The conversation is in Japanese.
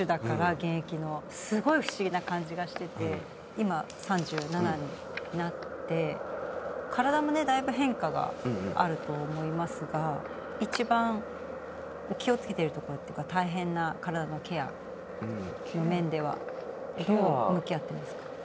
今３７になって体もねだいぶ変化があると思いますが一番気をつけているところっていうか大変な体のケアの面ではどう向き合ってますか？